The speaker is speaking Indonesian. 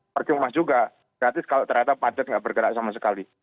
pertimbang juga gratis kalau ternyata panjat nggak bergerak sama sekali